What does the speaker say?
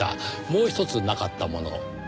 もうひとつなかったもの